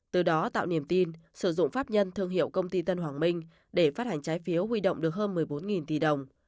từ đó tạo niềm tin sử dụng pháp nhân thương hiệu công ty tân hoàng minh để phát hành trái phiếu huy động được hơn một mươi bốn tỷ đồng